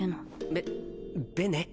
ベベネ？